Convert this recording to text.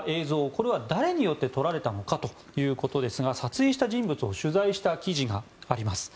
これは誰によって撮られたのかということですが撮影した人物を取材した記事があります。